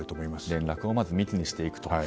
連絡を密にしていくと。